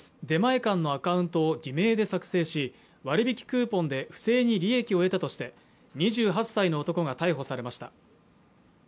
出前館のアカウントを偽名で作成し割引クーポンで不正に利益を得たとして２８歳の男が逮捕されました